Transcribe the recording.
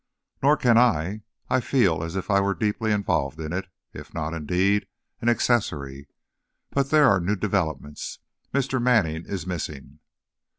"Nor can I. I feel as if I were deeply involved in it, if not indeed, an accessory! But there are new developments. Mr. Manning is missing."